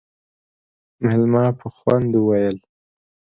مېلمه په خوند وويل: